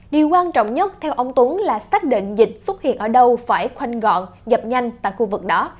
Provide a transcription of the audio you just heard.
điều quan trọng nhất theo ông tuấn là xác định dịch xuất hiện ở đâu phải khoanh gọn dập nhanh tại khu vực đó